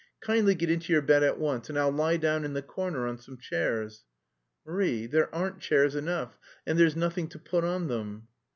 Kindly get into your bed at once and I'll lie down in the corner on some chairs." "Marie, there aren't chairs enough, and there's nothing to put on them."